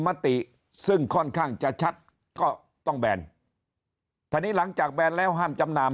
มติซึ่งค่อนข้างจะชัดก็ต้องแบนทีนี้หลังจากแบนแล้วห้ามจำหน่าม